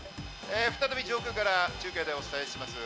再び上空から中継でお伝えします。